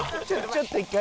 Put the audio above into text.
ちょっと１回。